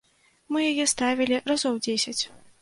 Мы яе ставілі разоў дзесяць.